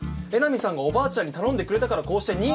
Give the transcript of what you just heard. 江波さんがおばあちゃんに頼んでくれたからこうして。